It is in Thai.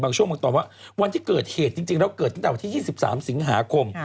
ช่วงบางตอนว่าวันที่เกิดเหตุจริงแล้วเกิดตั้งแต่วันที่๒๓สิงหาคม